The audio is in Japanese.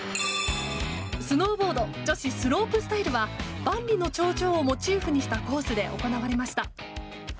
スノーボード女子スロープスタイルは万里の長城をモチーフにしたコースで行われました。